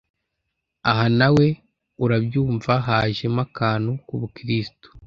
aha nawe urabyumva hajemo akantu k’ubukristo